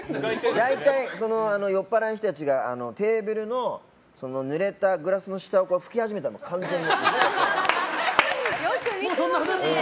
大体酔っぱらいの人たちがテーブルのぬれたグラスの下を拭き始めたら完全に。